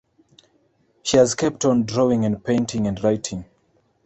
She has kept on drawing and painting and writing.